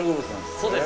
そうです。